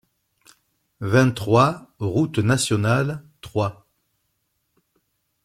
vingt-trois rTE NATIONALE trois